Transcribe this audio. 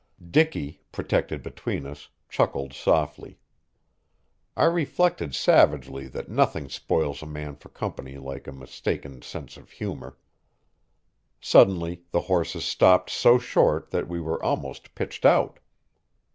Dicky, protected between us, chuckled softly. I reflected savagely that nothing spoils a man for company like a mistaken sense of humor. Suddenly the horses stopped so short that we were almost pitched out.